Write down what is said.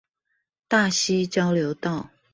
大溪交流道